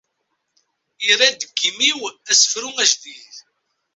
Irra-d deg yimi-w asefru ajdid.